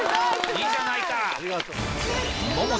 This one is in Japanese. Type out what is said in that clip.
いいじゃないか。